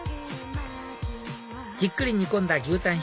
じっくり煮込んだ牛たん